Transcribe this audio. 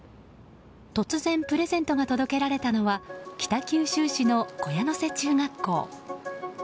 突然プレゼントが届けられたのは北九州市の木屋瀬中学校。